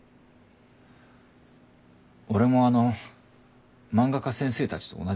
俺もあの漫画家先生たちと同じだよ。